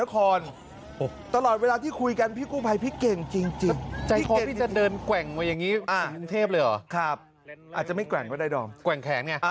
เกรงจริง